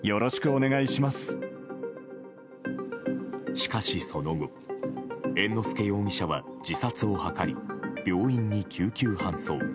しかし、その後猿之助容疑者は自殺を図り病院に救急搬送。